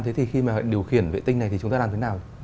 thế thì khi mà điều khiển vệ tinh này thì chúng ta làm thế nào